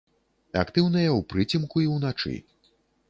Актыўныя ў прыцемку і ўначы.